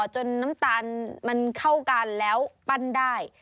จนน้ำตาลมันเข้ากันแล้วปั้นได้